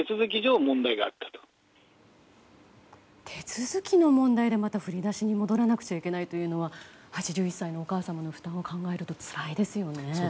手続きの問題で振り出しに戻らなくちゃいけないというのは８１歳のお母様の負担を考えるとつらいですよね。